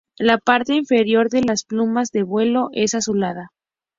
La parte inferior de las plumas de vuelo es azulada.